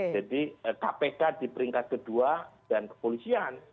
jadi kpk di peringkat kedua dan kepolisian